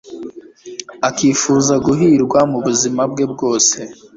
akifuza guhirwa mu buzima bwe bwose